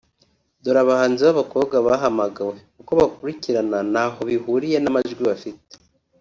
Dore abahanzi b’abakobwa bahamagawe (uko bakurikirana ntaho bihuriye n’amajwi bafite)